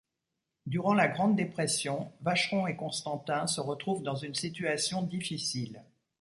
Durant la Grande Dépression, Vacheron & Constantin se retrouve dans une situation difficile.